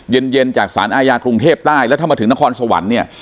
เย็นเย็นจากสารอาญากรุงเทพใต้แล้วถ้ามาถึงนครสวรรค์เนี่ย